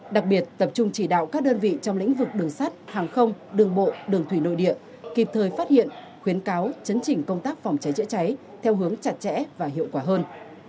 đặc biệt tập trung chỉ đạo các đơn vị trong lĩnh vực đường sắt hàng không đường bộ đường thủy nội địa kịp thời phát hiện khuyến cáo chấn chỉnh công tác phòng cháy chữa cháy theo hướng chặt chẽ và hiệu quả hơn